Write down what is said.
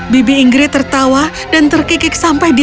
bibi ingrid tertawa dan terkikik sampai berkata